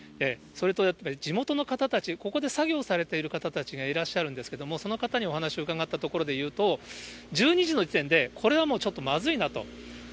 それとやっぱり地元の方たち、ここで作業されている方たちがいらっしゃるんですけれども、その方にお話を伺ったところで言うと、１２時の時点で、これはもうちょっとまずいなと。